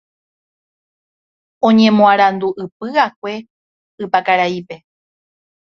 Oñemoarandu'ypy'akue Ypakaraípe.